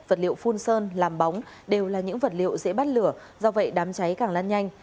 vật liệu phun sơn làm bóng đều là những vật liệu dễ bắt lửa do vậy đám cháy càng lan nhanh